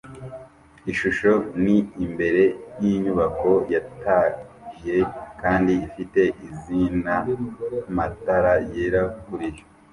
Ishusho ni imbere yinyubako yataye kandi ifite izinana matara yera kuriyo